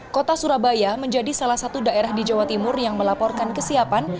kota surabaya menjadi salah satu daerah di jawa timur yang melaporkan kesiapan